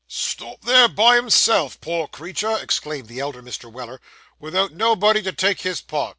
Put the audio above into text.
'Stop there by himself, poor creetur!' exclaimed the elder Mr. Weller, 'without nobody to take his part!